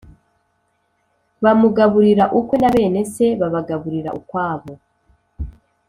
Bamugaburira ukwe na bene se babagaburira ukwabo